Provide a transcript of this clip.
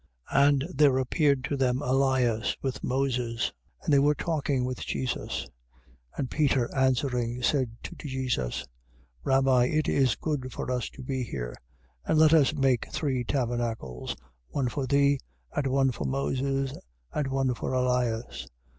9:3. And there appeared to them Elias with Moses: and they were talking with Jesus. 9:4. And Peter answering, said to Jesus: Rabbi, it is good for us to be here. And let us make three tabernacles, one for thee, and one for Moses, and one for Elias.